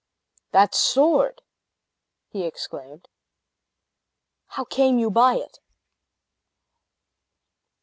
"That sword!" he exclaimed: "how came you by it?"